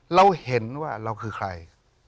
เราเห็นว่าเราคือใคร